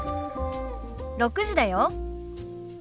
６時だよ。